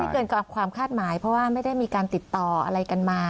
เกินความคาดหมายเพราะว่าไม่ได้มีการติดต่ออะไรกันมา